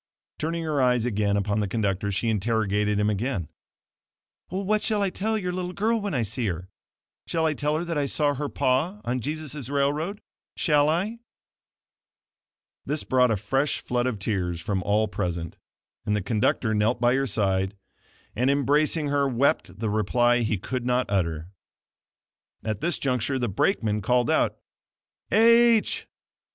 Turning her eyes again upon the conductor, she interrogated him again, "What shall I tell your little girl when I see her? Shall I tell her that I saw her pa on Jesus' railroad? Shall I?" This brought a fresh flood of tears from all present, and the conductor knelt by her side, and, embracing her wept the reply he could not utter. At this juncture the brakeman called out: "H